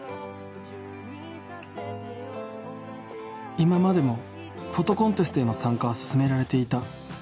今までもフォトコンテストへの参加は勧められていた。